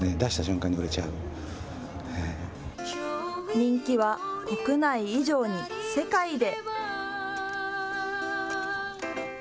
人気は国内以上に世界で。